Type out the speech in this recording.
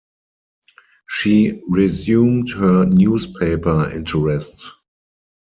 She resumed her newspaper interests.